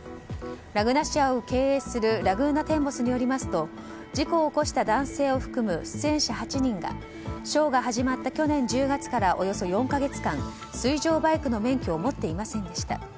ラグナシアを経営するラグーナテンボスによりますと事故を起こした男性を含む出演者８人がショーが始まった去年１０月からおよそ４か月間水上バイクの免許を持っていませんでした。